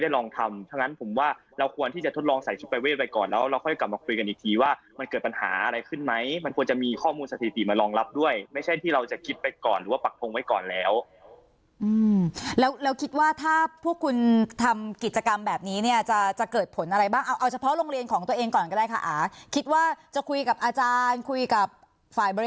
แล้วเราก็จะกลับมาคุยกันอีกทีว่ามันเกิดปัญหาอะไรขึ้นไหมมันควรจะมีข้อมูลสถิติมารองรับด้วยไม่ใช่ที่เราจะคิดไปก่อนหรือว่าปรักฏงไว้ก่อนแล้วแล้วเราคิดว่าถ้าพวกคุณทำกิจกรรมแบบนี้เนี่ยจะเกิดผลอะไรบ้างเอาเฉพาะโรงเรียนของตัวเองก่อนก็ได้ค่ะอาคิดว่าจะคุยกับอาจารย์คุยกับฝ่ายบร